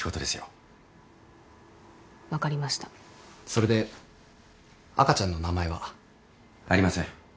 それで赤ちゃんの名前は？ありません。